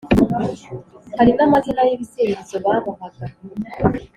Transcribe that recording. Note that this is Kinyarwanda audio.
hari n'amazina y'ibisingizo bamuhaga.